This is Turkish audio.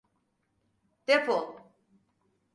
Defol!